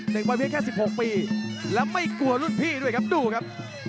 วัยเพียงแค่๑๖ปีแล้วไม่กลัวรุ่นพี่ด้วยครับดูครับ